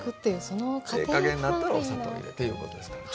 ええ加減になったらお砂糖入れていうことですから。